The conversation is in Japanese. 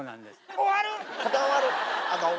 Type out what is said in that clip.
終わる！